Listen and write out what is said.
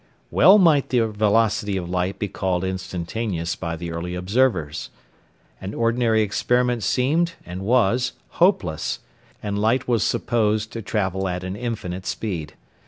Well might the velocity of light be called instantaneous by the early observers. An ordinary experiment seemed (and was) hopeless, and light was supposed to travel at an infinite speed.